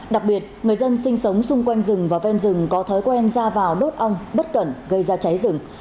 đặc biệt người dân sinh sống xung quanh rừng và ven rừng có thói quen ra vào đốt ong bất cẩn gây ra cháy rừng